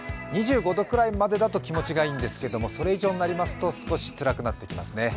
２５度くらいまでだと気持ちがいいんですけど、それ以上になりますと少しつらくなってきますね。